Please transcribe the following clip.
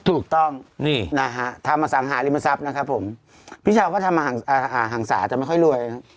ถูกต้องทำสังหาริมทรัพย์นะครับผมพี่ชาวก็ทำห่างสาห์จะไม่ค่อยรวย